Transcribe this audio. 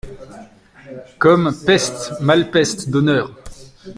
Comme : peste ! malpeste ! d’honneur !…